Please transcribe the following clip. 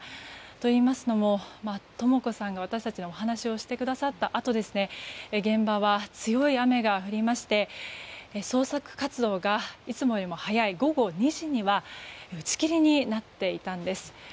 といいますのもとも子さんが私たちにお話をしてくださったあと現場は強い雨が降りまして捜索活動がいつもよりも早い午後２時には打ち切りになっていたんです。